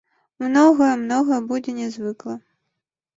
Многае, многае будзе нязвыкла.